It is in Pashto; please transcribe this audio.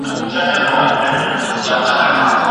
خپل فکرونه د هدف سره همغږی کړئ.